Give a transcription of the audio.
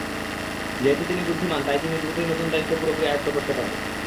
যেহেতু তিনি বুদ্ধিমান, তাই তিনি দ্রুতই নতুন দায়িত্ব পুরোপুরি আয়ত্ত করতে পারবেন।